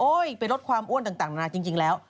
โอ๊ยไปลดความอ้วนต่างจริงแล้ว